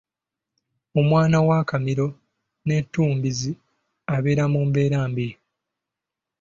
Omwana ow’akamiro n’ettumbiizi abeera mu mbeera mbi.